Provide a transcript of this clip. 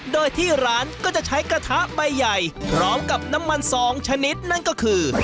โดยที่ร้านก็จะใช้กระทะใบใหญ่พร้อมกับน้ำมันสองชนิดนั่นก็คือ